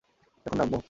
এখন না আম্মু!